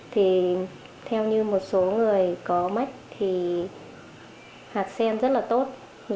thì theo như một số người có mắc thì hạt sen rất là tốt